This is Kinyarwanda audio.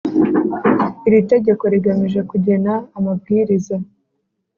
Iri tegeko rigamije kugena amabwiriza